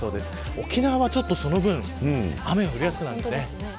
沖縄はその分雨が降りやすくなっています。